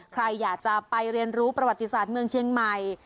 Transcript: ใครอยากจะไปเรียนรู้ประวัติศาสตร์เมืองเชียงใหม่